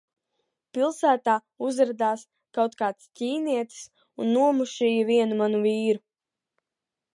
Pilsētā uzradās kaut kāds ķīnietis un nomušīja vienu manu vīru.